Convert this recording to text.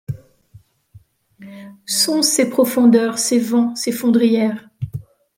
Sont-ce ces profondeurs, ces vents, ces fondrières